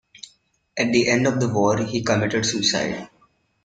At the end of the war, he committed suicide.